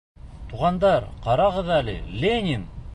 — Туғандар, ҡарағыҙ әле, Ленин!